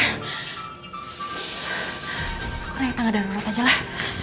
aku rehat tangan darurat ajalah